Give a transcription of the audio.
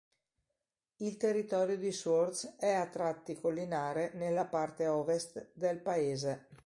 Il territorio di Swords è a tratti collinare nella parte ovest del paese.